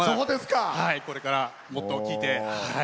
これから、もっと聴いて。